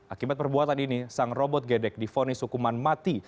akibat perbuatan ini sang robot gedek difonis hukuman mati